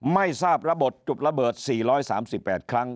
ไม่ทราบระบบจุดระเบิด๔๓๘ครั้ง